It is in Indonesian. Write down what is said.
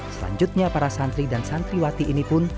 selanjutnya para santri dan santriwati ini pun